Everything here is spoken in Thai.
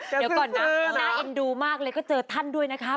เดี๋ยวก่อนนะน่าเอ็นดูมากเลยก็เจอท่านด้วยนะครับ